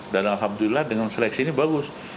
dan alhamdulillah dengan seleksi ini bagus